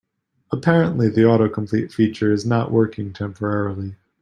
Apparently, the autocomplete feature is not working temporarily.